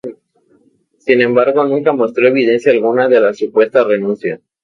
Sin embargo nunca mostró evidencia alguna de la supuesta renuncia.